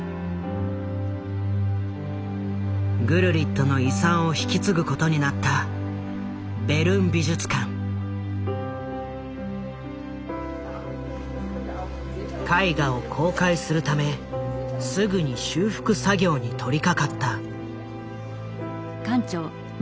グルリットの遺産を引き継ぐことになった絵画を公開するためすぐに修復作業に取りかかった。